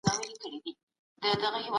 آیا تاسو د ټولنیز تحلیل په اړه فکر کړی؟